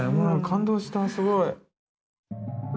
感動したすごい。